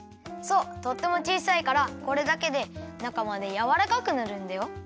そうとってもちいさいからこれだけでなかまでやわらかくなるんだよ。